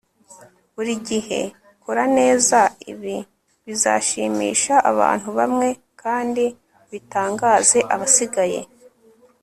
buri gihe kora neza. ibi bizashimisha abantu bamwe kandi bitangaze abasigaye